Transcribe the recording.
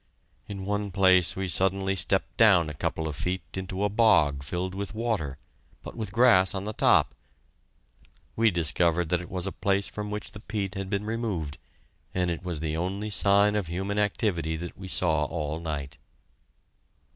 In one place we suddenly stepped down a couple of feet into a bog filled with water, but with grass on the top. We discovered that it was a place from which the peat had been removed, and it was the only sign of human activity that we saw all night.